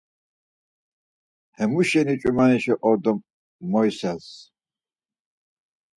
Hemuşeni ç̌umanişi ordo moisels.